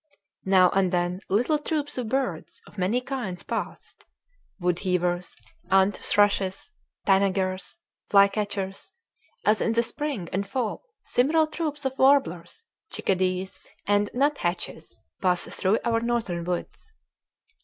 Now and then little troops of birds of many kinds passed wood hewers, ant thrushes, tanagers, flycatchers; as in the spring and fall similar troops of warblers, chickadees, and nuthatches pass through our northern woods.